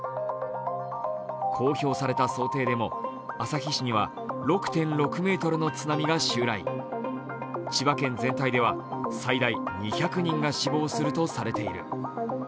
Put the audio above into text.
公表された想定でも、旭市には６．６ｍの津波が襲来千葉県全体では最大２００人が死亡するとされている。